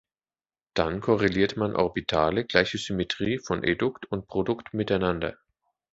Dann korreliert man Orbitale gleicher Symmetrie von Edukt und Produkt miteinander.